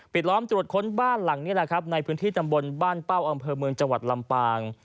ล้อมตรวจค้นบ้านหลังนี้แหละครับในพื้นที่ตำบลบ้านเป้าอำเภอเมืองจังหวัดลำปาง